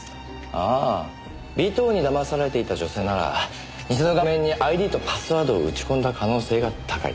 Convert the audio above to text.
ああ尾藤に騙されていた女性なら偽の画面にＩＤとパスワードを打ち込んだ可能性が高い。